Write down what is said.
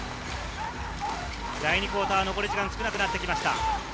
第２クオーター、残り時間が少なくなってきました。